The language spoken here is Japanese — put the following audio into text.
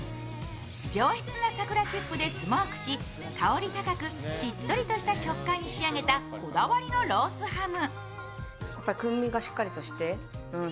上質な桜チップでスモークし、香り高くしっとりとした食感に仕上げたこだわりのロースハム。